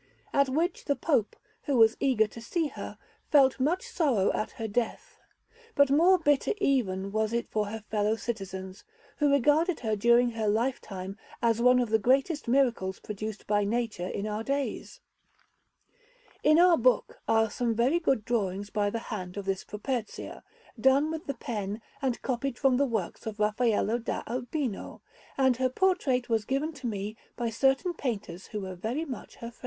At which the Pope, who was eager to see her, felt much sorrow at her death; but more bitter even was it for her fellow citizens, who regarded her during her lifetime as one of the greatest miracles produced by nature in our days. In our book are some very good drawings by the hand of this Properzia, done with the pen and copied from the works of Raffaello da Urbino; and her portrait was given to me by certain painters who were very much her friends.